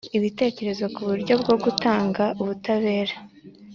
ibitekerezo ku buryo bwo gutanga ubutabera